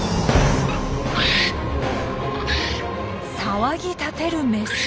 騒ぎ立てるメス。